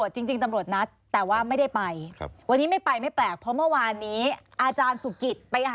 ถูกต้องครับ